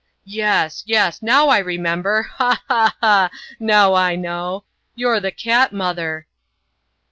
"Yes, yes; now I remember! Ha! ha! ha! Now I know! You're the 'Cat Mother'!"